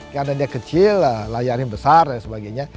karena dia kecil layarnya besar dan sebagainya